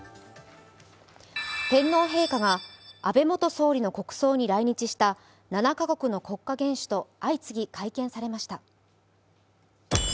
天皇陛下が安倍元総理の国葬に来日した７か国の国家元首と相次ぎ会見されました。